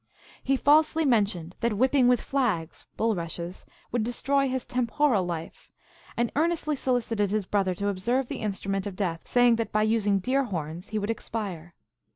He falsely mentioned that whipping with flags [bulrushes] would destroy his temporal life, and earnestly solicited his brother to observe the instrument of death, saying that by using deer horns he would expire.